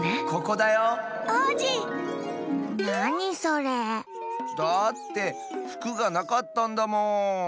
だってふくがなかったんだもん。